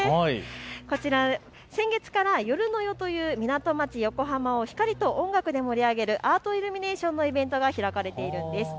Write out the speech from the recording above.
こちら先月からヨルノヨという港町、横浜を光と音楽で盛り上げるアートイルミネーションの企画が行われているんです。